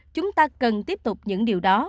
chúng ta cần tiếp tục những điều đó